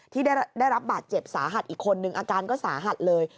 ที่ได้รับบาดเจ็บสาหัสอีกคนนึงอาการก็สาหัสเลย